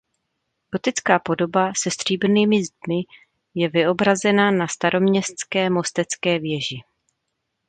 Gotická podoba se stříbrnými zdmi je vyobrazena na Staroměstské mostecké věži.